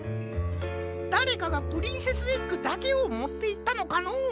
だれかがプリンセスエッグだけをもっていったのかのう？